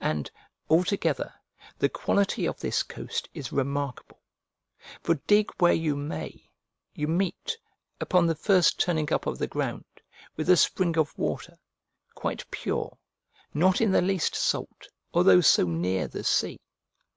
And, altogether, the quality of this coast is remarkable; for dig where you may, you meet, upon the first turning up of the ground, with a spring of water, quite pure, not in the least salt, although so near the sea.